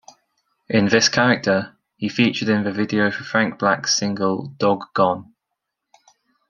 In this character, he featured in the video for Frank Black's single Dog Gone.